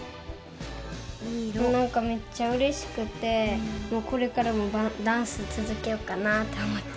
なんかめっちゃうれしくてこれからもダンス続けよっかなって思った。